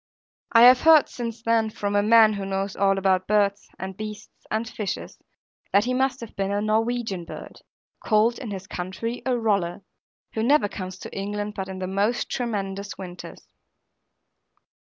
I have heard since then, from a man who knows all about birds, and beasts, and fishes, that he must have been a Norwegian bird, called in this country a Roller, who never comes to England but in the most tremendous winters.